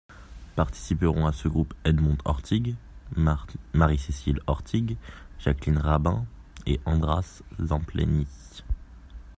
Participeront à ce groupe Edmond Ortigues, Marie-Cécile Ortigues, Jacqueline Rabain et Andras Zempleni.